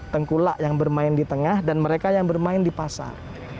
tengkulak yang bermain di tengah dan mereka yang bermain di pasar